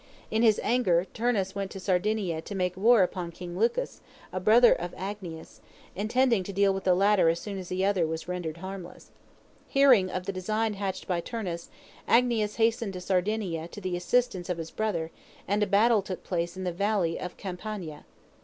In his anger, Turnus went to Sardinia to make war upon King Lucus, a brother of Agnias, intending to deal with the latter as soon as the other was rendered harmless. Hearing of the design hatched by Turnus, Agnias hastened to Sardinia to the assistance of his brother, and a battle took place in the Valley of Campania.